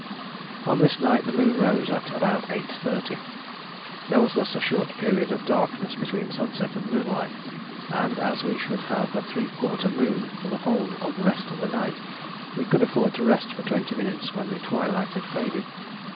On this night the moon rose at about 8.30; there was thus a short period of darkness between sunset and moonlight, and as we should have a three quarter moon for the whole of the rest of the night, we could afford to rest for twenty minutes when the twilight had faded.